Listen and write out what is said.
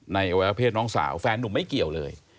อวัยวะเพศน้องสาวแฟนนุ่มไม่เกี่ยวเลย